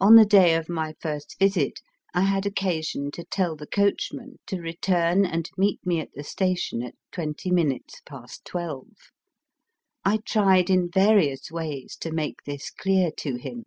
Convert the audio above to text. On the day of my first visit I had occasion to tell the coachman to return and meet me at the station at twenty minutes past twelve. I tried in various ways to make this clear to him.